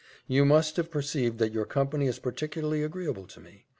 You must have perceived that your company is particularly agreeable to me.